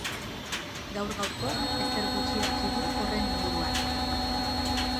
Gaur-gaurkoz ezer gutxi dakigu horren inguruan.